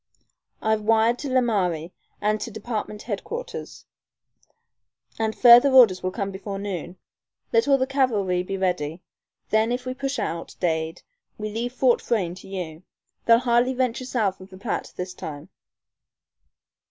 I've wired to Laramie and to Department Headquarters, and further orders will come before noon. Let all the cavalry be ready. Then if we push out, Dade, we leave Fort Frayne to you. They'll hardly venture south of the Platte this time."